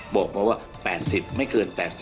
บอกมาว่า๘๐ไม่เกิน๘๐